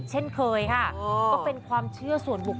เช่นเคยค่ะก็เป็นความเชื่อ